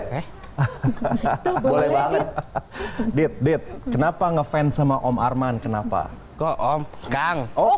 hehehe boleh banget dit dit kenapa ngefans sama om arman kenapa kok om kang oh